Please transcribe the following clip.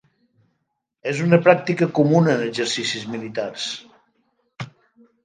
És una pràctica comuna en exercicis militars.